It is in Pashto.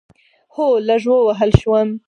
هو، لږ ووهل شوم